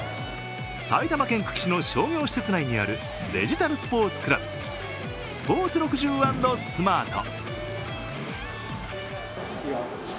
埼玉県久喜市の商業施設内にあるデジタルスポーツクラブスポーツ６０＆スマート。